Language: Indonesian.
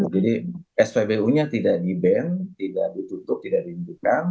jadi spbu nya tidak di ban tidak ditutup tidak dihentikan